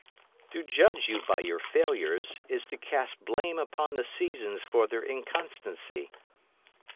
To judge you by your failures is to cast blame upon the seasons for their inconstancy.